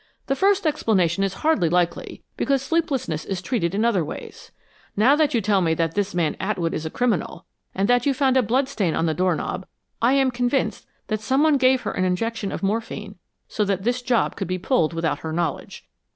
The first explanation is hardly likely, because sleeplessness is treated in other ways. Now that you tell me this man Atwood is a criminal, and that you found a bloodstain on the doorknob, I am convinced that someone gave her an injection of morphine so that this job could be pulled without her knowledge.